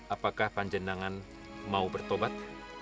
apakah panjangan mau bertobat